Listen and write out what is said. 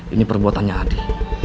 ini perbuatannya adi